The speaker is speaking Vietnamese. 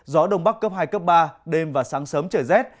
gió đông bắc cấp hai cấp ba đêm và sáng sớm trời rét